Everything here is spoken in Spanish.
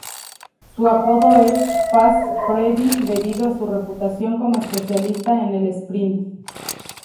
Su apodo es "Fast Freddie" debido a su reputación como especialista en el sprint.